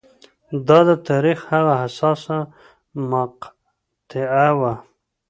دا د تاریخ هغه حساسه مقطعه وه